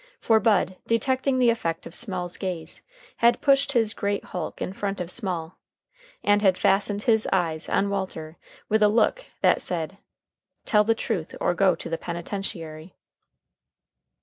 For Bud, detecting the effect of Small's gaze, had pushed his great hulk in front of Small, and had fastened his eyes on Walter with a look that said, "Tell the truth or go to penitentiary."